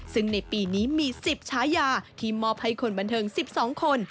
ซึ่งในปีนี้มี๑๐ฉายาที่มอบให้คนบันเทิง๑๒คน